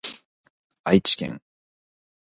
愛知県